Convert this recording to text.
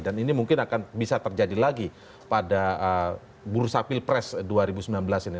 dan ini mungkin akan bisa terjadi lagi pada bursa pilpres dua ribu sembilan belas ini